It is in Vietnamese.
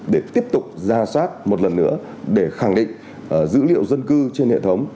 để tiếp tục ra soát một lần nữa để khẳng định dữ liệu dân cư trên hệ thống